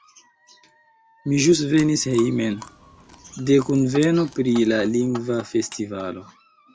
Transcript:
Mi ĵus venis hejmen, de kunveno pri la Lingva Festivalo.